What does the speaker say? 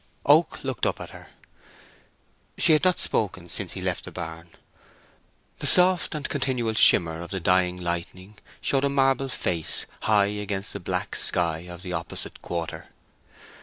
Oak looked up at her. She had not spoken since he left the barn. The soft and continual shimmer of the dying lightning showed a marble face high against the black sky of the opposite quarter.